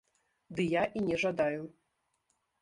Ды я і не жадаю.